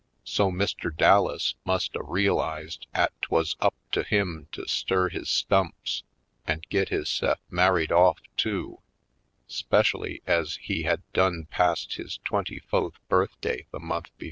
So Mr. Dallas must a realized 'at 'twuz up to him to stir his stumps an' git hisse'f married off, too; 'specially ez he had done passed his twenty fo'th birthday the month befo'.